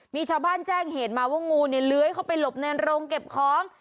มีชาวบ้านแจ้งเหตุมาว่างูเนี่ยเลื้อยเข้าไปหลบในโรงเก็บของ